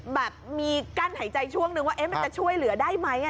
แบบมีกั้นหายใจช่วงหนึ่งว่าเอ๊ะมันจะช่วยเหลือได้ไหมอ่ะนะคะ